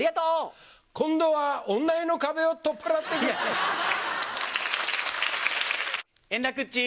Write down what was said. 今度は女湯の壁を取っ払って円楽っち。